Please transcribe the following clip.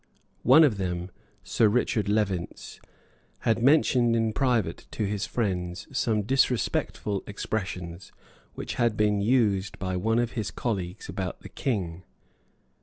One of them, Sir Richard Levinz, had mentioned in private to his friends some disrespectful expressions which had been used by one of his colleagues about the King.